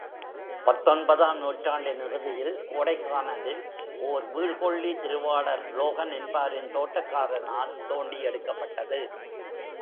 பத்தொன்பது ஆம் நூற்றாண்டின் இறுதியில் கோடைக்கானலில் ஒரு வீழ்கொள்ளி திருவாளர் லோகன் என்பாரின் தோட்டக்காரனால் தோண்டி எடுக்கப்பட்டது.